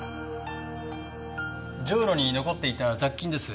ジョウロに残っていた雑菌です。